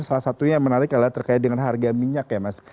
salah satunya yang menarik adalah terkait dengan harga minyak ya mas